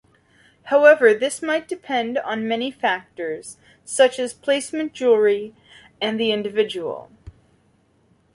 However, this might depend on many factors such as placement jewelry and the individual.